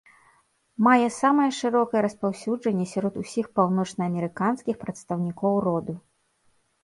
Мае самае шырокае распаўсюджанне сярод усіх паўночнаамерыканскіх прадстаўнікоў роду.